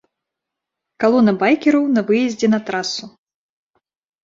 Калона байкераў на выездзе на трасу.